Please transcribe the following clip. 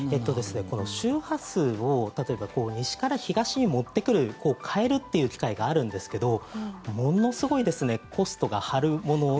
周波数を例えば、西から東に持ってくる変えるという機械があるんですがものすごいコストが張るもの。